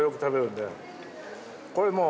これもう。